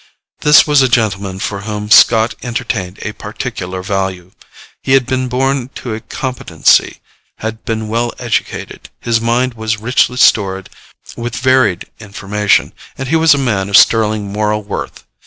This was a gentleman for whom Scott entertained a particular value. He had been born to a competency, had been well educated; his mind was richly stored with varied information, and he was a man of sterling moral worth.